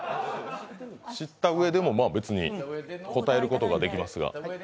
知ったうえでも別に答えることができますが。